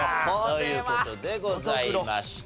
という事でございました。